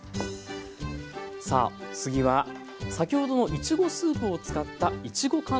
さあ次は先ほどのいちごスープを使ったいちご寒天です。